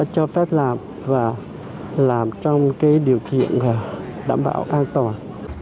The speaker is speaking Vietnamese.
cho phép làm và làm trong cái điều kiện đảm bảo an toàn